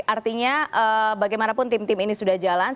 artinya bagaimanapun tim tim ini sudah jalan